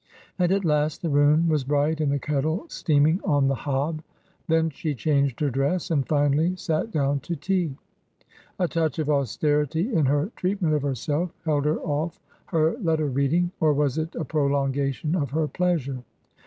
And at last the room was bright and the kettle steaming on the hob. Then she changed her dress^ and finally sat down to tea. A touch of austerity in her treatment of herself held her off her letter reading — or was it a prolongation of her pleasure